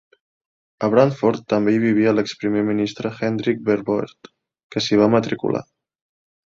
A Brandfort també hi vivia l'exprimer ministre Hendrik Verwoerd, que s'hi va matricular.